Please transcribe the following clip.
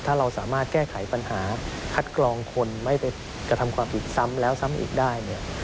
ถ้าเราสามารถแก้ไขปัญหาคัดกรองคนไม่ไปกระทำความผิดซ้ำแล้วซ้ำอีกได้เนี่ย